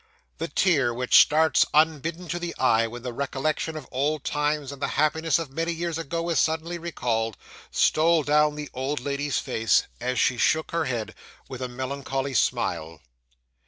The tear which starts unbidden to the eye when the recollection of old times and the happiness of many years ago is suddenly recalled, stole down the old lady's face as she shook her head with a melancholy smile.